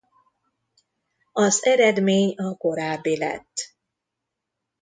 Az eredmény a korábbi lett.